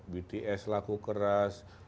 bts laku keras